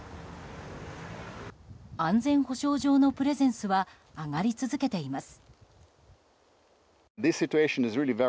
安全保障上のプレゼンスは上がり続けています。